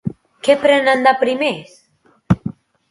Què prenen de primer?